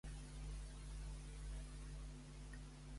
Sabeu quina botiga hi ha a l'avinguda Rei en Jaume cent-dinou?